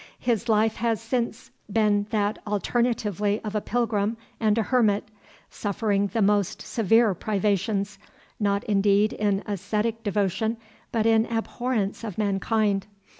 His life has since been that alternately of a pilgrim and a hermit, suffering the most severe privations, not indeed in ascetic devotion, but in abhorrence of mankind.